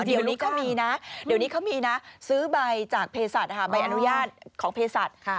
เดี๋ยวนี้เขามีนะซื้อใบจากเพศรัชใบอนุญาตของเพศรัช